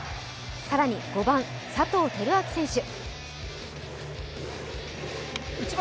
更に５番・佐藤輝明選手。